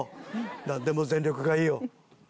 なんでも全力がいいよ。